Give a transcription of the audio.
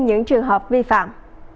những trường hợp vi phạm